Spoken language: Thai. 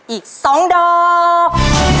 อีกสองดอก